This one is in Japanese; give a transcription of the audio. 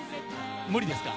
無理ですか？